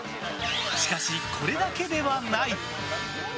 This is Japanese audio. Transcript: しかし、これだけではない。